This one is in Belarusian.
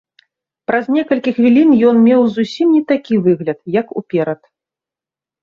Праз некалькі хвілін ён меў зусім не такі выгляд, як уперад.